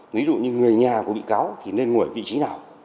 ví dụ như người nhà của bị cáo thì nên ngồi vị trí nào